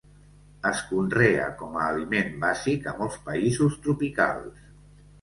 Es conrea com a aliment bàsic a molts països tropicals.